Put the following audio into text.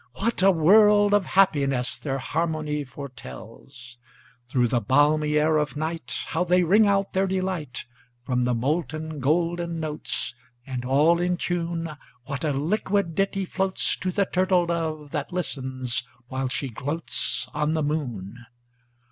What a world of happiness their harmony foretells! Through the balmy air of nightHow they ring out their delight! From the molten golden notes, And all in tune, What a liquid ditty floatsTo the turtle dove that listens, while she gloatsOn the moon!